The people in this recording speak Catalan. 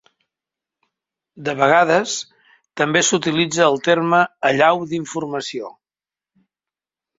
De vegades també s'utilitza el terme "allau d'informació".